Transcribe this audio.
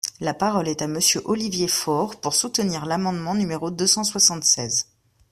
La parole est à Monsieur Olivier Faure, pour soutenir l’amendement numéro deux cent soixante-seize.